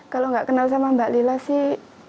kalau nggak kenal sama mbak lila sih